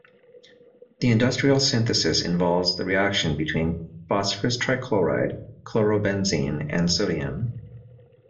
The industrial synthesis involves the reaction between phosphorus trichloride, chlorobenzene, and sodium.